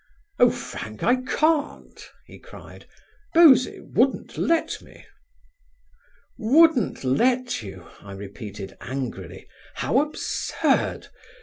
"Oh, Frank, I can't," he cried. "Bosie wouldn't let me." "'Wouldn't let you'? I repeated angrily. "How absurd!